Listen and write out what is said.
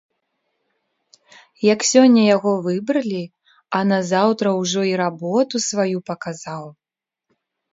Як сёння яго выбралі, а назаўтра ўжо й работу сваю паказаў.